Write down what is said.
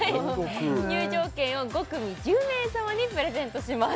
入場券を５組１０名様にプレゼントします